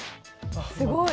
すごい。